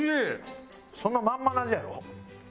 そのまんまの味やろ？